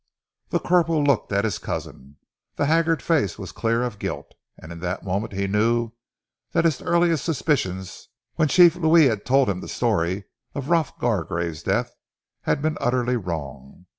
The corporal looked at his cousin. The haggard face was clear of guilt, and in that moment he knew that his earliest suspicions when Chief Louis had told him the story of Rolf Gargrave's death had been utterly wrong.